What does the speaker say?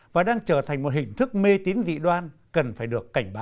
và đang trở thành một hình thức mê tín dị đoan cần phải được cảnh báo